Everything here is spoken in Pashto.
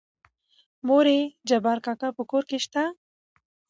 مورې جبار کاکا په کور کې شته؟